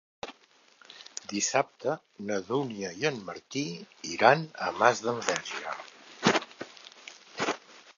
Dissabte na Dúnia i en Martí iran a Masdenverge.